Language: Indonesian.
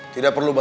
tidak perlu mbak